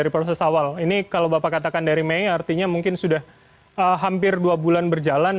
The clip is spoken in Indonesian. proses awal ini kalau bapak katakan dari mei artinya mungkin sudah hampir dua bulan berjalan